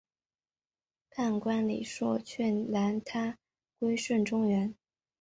判官李恕劝谏他归顺中原。